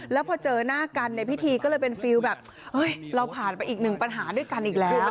แล้วพอเจอหน้ากันในพิธีก็เลยเป็นฟิลแบบเราผ่านไปอีกหนึ่งปัญหาด้วยกันอีกแล้ว